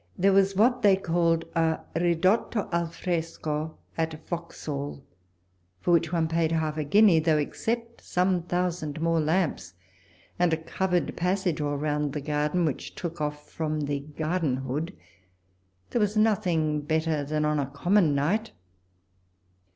There was what they called a ridotto al fresco at Vauxhall, for which one paid half a guinea, though except some thousand more lamps and a covered passage all round the garden, which took off from the gardenhood, there was nothing better than on a common night.